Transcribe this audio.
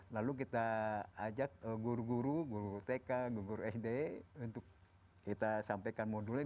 lalu kita ajak guru guru guru tk guru sd untuk kita sampaikan modulnya